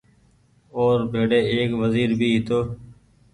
اور ڀيري ايڪ وزير بهي هيتو